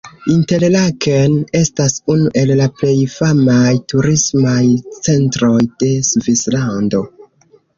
Interlaken estas unu el la plej famaj turismaj centroj de Svislando.